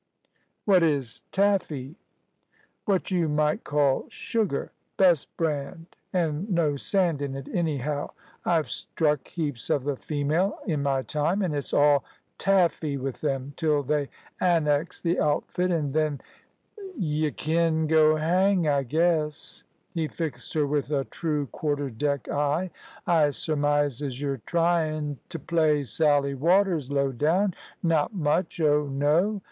"What is taffy?" "What you might call sugar best brand, an' no sand in it, anyhow. I've struck heaps of the female in my time, and it's all taffy with them, till they annex the outfit, an' then y' kin go hang, I guess"; he fixed her with a true quarter deck eye. "I surmise as you're tryin' t' play Sally Waters low down. Not much oh, no.